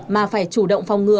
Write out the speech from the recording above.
mà phải chủ động phòng ngừa